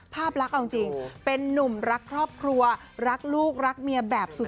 ภาพลักษณ์เอาจริงเป็นนุ่มรักครอบครัวรักลูกรักเมียแบบสุด